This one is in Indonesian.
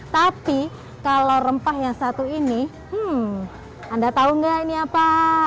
tapi kalau rempah yang satu ini hmm anda tahu nggak ini apa